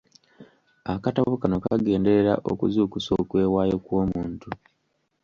Akatabo kano kagenderera okuzuukusa okwewaayo kw'omuntu.